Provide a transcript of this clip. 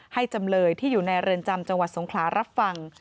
จำเลยที่อยู่ในเรือนจำจังหวัดสงขลารับฟัง